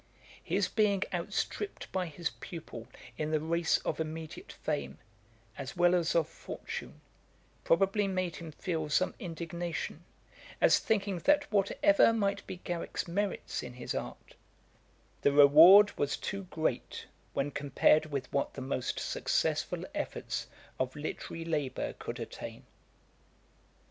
His being outstripped by his pupil in the race of immediate fame, as well as of fortune, probably made him feel some indignation, as thinking that whatever might be Garrick's merits in his art, the reward was too great when compared with what the most successful efforts of literary labour could attain.